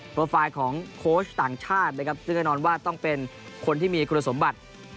โปรไฟล์ของโค้ชต่างชาตินะครับซึ่งแน่นอนว่าต้องเป็นคนที่มีคุณสมบัติ